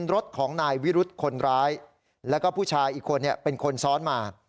รถของนายวิรุธคนร้ายแล้วก็ผู้ชายอีกคนเป็นคนซ้อนมา